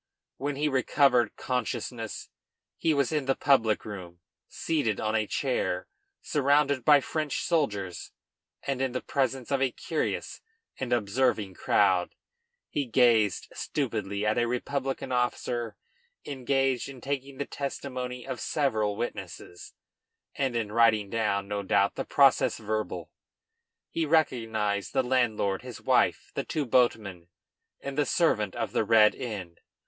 When he recovered consciousness he was in the public room, seated on a chair, surrounded by French soldiers, and in presence of a curious and observing crowd. He gazed stupidly at a Republican officer engaged in taking the testimony of several witnesses, and in writing down, no doubt, the "proces verbal." He recognized the landlord, his wife, the two boatmen, and the servant of the Red Inn.